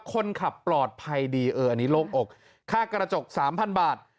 คนขับปลอดภัยดีเอออันนี้โล่งอกค่ากระจก๓๐๐บาท